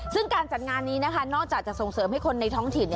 ซึ่งการจัดงานนี้นะคะนอกจากจะส่งเสริมให้คนในท้องถิ่น